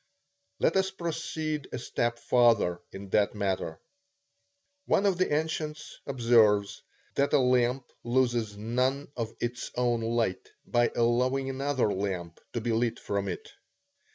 Let us proceed a step farther in this matter. One of the ancients observes that a lamp loses none of its own light by allowing another lamp to be lit from it.